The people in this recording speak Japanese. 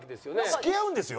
付き合うんですよ？